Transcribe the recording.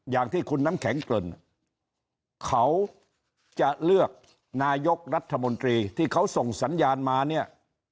อย่างที่คุณน้ำแข็งเกริ่นเขาจะเลือกนายกรัฐมนตรีที่เขาส่งสัญญาณมาเนี่ย